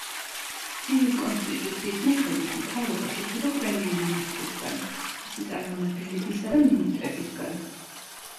სირიის კონსტიტუციის მიხედვით მთავრობა შედგება პრემიერ მინისტრისგან, მისი წარმომადგენლებისა და მინისტრებისგან.